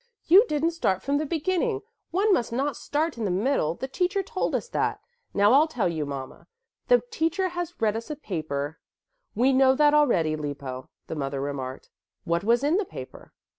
"You didn't start from the beginning. One must not start in the middle, the teacher told us that. Now I'll tell you, Mama. The teacher has read us a paper " "We know that already, Lippo," the mother remarked. "What was in the paper?"